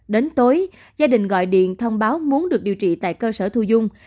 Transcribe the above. đến tối gia đình gọi điện thông báo muốn được điều trị tại cơ sở thu dung